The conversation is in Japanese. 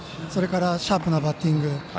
それからシャープなバッティング。